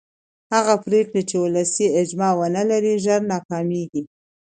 هغه پرېکړې چې ولسي اجماع ونه لري ژر ناکامېږي